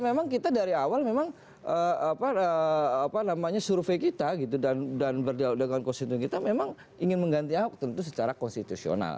memang kita dari awal memang apa namanya survei kita gitu dan berdialog dengan konstitusi kita memang ingin mengganti ahok tentu secara konstitusional